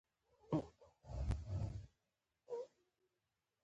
که کشیش مناسک په جديت اجرا کړي، خلک قانع کېږي.